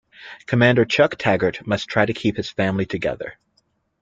Commander Chuck Taggart must try to keep his family together.